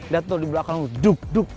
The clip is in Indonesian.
liat tuh di belakang lu